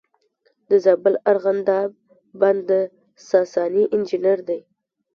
د زابل ارغنداب بند د ساساني انجینر دی